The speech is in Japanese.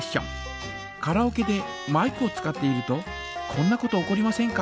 カラオケでマイクを使っているとこんなこと起こりませんか？